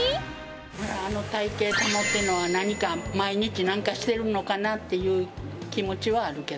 あの体形保ってるのは、何か、毎日なんかしてるのかな？っていう気持ちはあるけど。